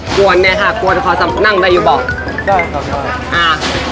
ก้วเนี้ยค่ะกวลขอซ้ำนั่งได้อยู่บอกได้ครับแล้ว